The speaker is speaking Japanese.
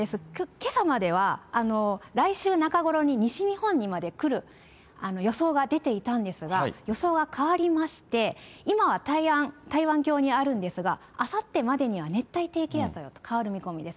けさまでは来週中頃に西日本にまで来る予想が出ていたんですが、予想は変わりまして、今は台湾峡にあるんですが、あさってまでには熱帯低気圧に変わる見込みです。